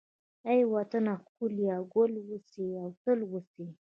ای د وطن ښکليه، ګل اوسې او تل اوسې